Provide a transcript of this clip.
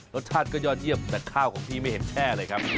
รสชาติก็ยอดเยี่ยมแต่ข้าวของพี่ไม่เห็นแช่เลยครับ